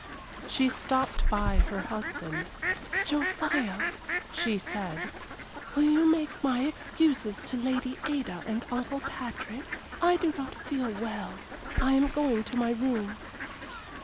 She stopped by her husband. "Josiah," she said, "will you make my excuses to Lady Ada and Uncle Patrick? I do not feel well; I am going to my room."